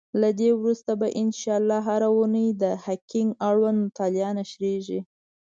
له دی وروسته به ان شاءالله هره اونۍ د هکینګ اړوند مطالب نشریږی.